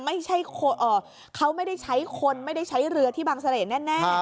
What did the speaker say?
ไม่ใช่เขาไม่ได้ใช้คนไม่ได้ใช้เรือที่บางเสร่แน่